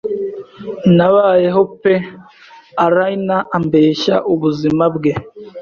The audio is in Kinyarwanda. Nabayeho pe Allayne ambeshya ubuzima bwe